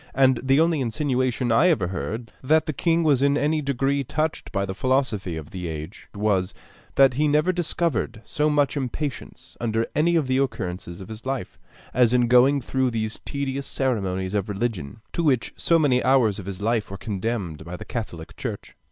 And the only insinuation I ever heard, that the king was in any degree touched by the philosophy of the age, was, that he never discovered so much impatience, under any of the occurrences of his life, as in going through those tedious ceremonies of religion, to which so many hours of his life were condemned by the catholic church.